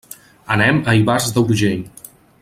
Anem a Ivars d'Urgell.